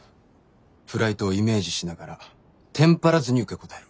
フライトをイメージしながらテンパらずに受け答えろ。